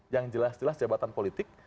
yang jelas jelas jabatan politik